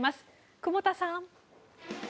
久保田さん。